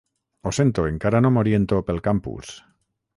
Ho sento, encara no m'oriento pel campus.